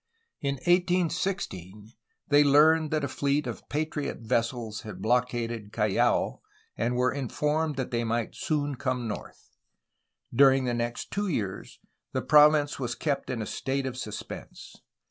In 1816 they learned that a fleet of patriot vessels had blockaded Callao, and were informed that they might soon come north. During the next two years the province was kept in a state of suspense.